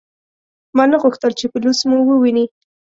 ما نه غوښتل چې پولیس مو وویني.